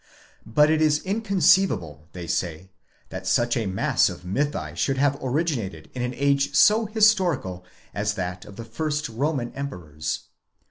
But it is inconceivable, they say, that such a mass of mythi should have originated in an age so historical as that of the first Roman emperors.